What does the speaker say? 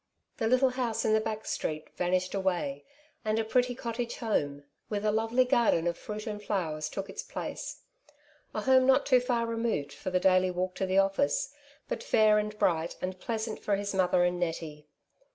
The little house in the back street vanished away, and a pretty cottage home, with a 30 Two Sides to every QuesiiouJ^ lovely garden of fruit and flowers took its place — a home not too far removed for the daily walk to the office^ but fair and bright^ and pleasant for his mother and Nettie.